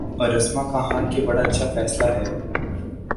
اور رسما کہا کہ بڑا اچھا فیصلہ ہے۔